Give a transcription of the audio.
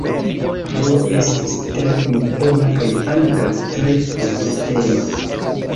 Do estis tre impona kaj ankaŭ tre produktema.